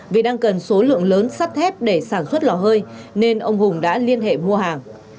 vì đang cần số lượng lớn sắt thép để sản xuất lò hơi nên ông hùng đã liên hệ mua hàng